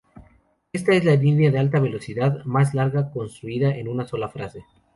Esta es la línea de alta velocidad más larga construida en una sola fase.